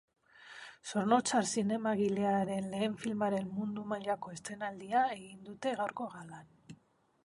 Zornotzar zinemagilearen lehen filmaren mundu mailako estreinaldia egin dute gaurko galan.